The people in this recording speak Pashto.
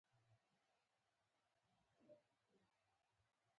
هغه ډوډي ته ناست دي